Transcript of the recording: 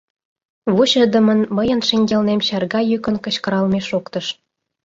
Вучыдымын мыйын шеҥгелнем чарга йӱкын кычкыралме шоктыш.